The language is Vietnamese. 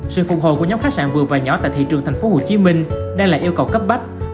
sự phục hồi của nhóm khách sạn vừa và nhỏ tại thị trường thành phố hồ chí minh đang là yêu cầu cấp bách